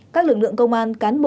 các lực lượng công an cán bộ